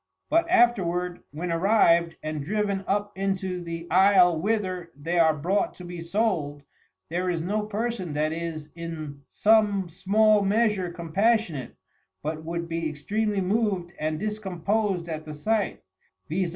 But afterward, when arriv'd, and driven up into the Isle whither they are brought to be sold, there is no Person that is in some small measure compassionate, but would be extreamly mov'd and discompos'd at the sight; _viz.